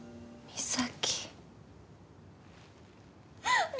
美咲。